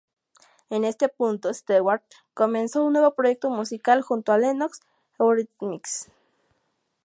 En este punto, Stewart comenzó un nuevo proyecto musical junto a Lennox, Eurythmics.